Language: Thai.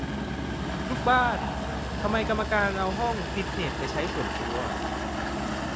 ลูกบ้าน : ทำไมกรรมการเอาห้องฟิตเนสไปใช้ส่วนตัว